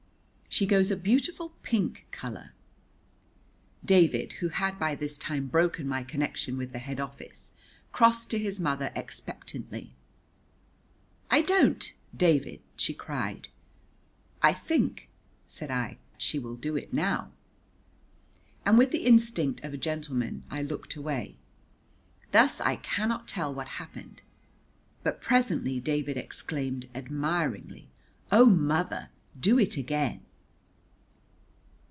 "She goes a beautiful pink colour." David, who had by this time broken my connection with the head office, crossed to his mother expectantly. "I don't, David," she cried. "I think," said I, "she will do it now," and with the instinct of a gentleman I looked away. Thus I cannot tell what happened, but presently David exclaimed admiringly, "Oh, mother, do it again!"